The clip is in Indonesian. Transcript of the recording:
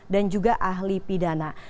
dan juga ahli pidana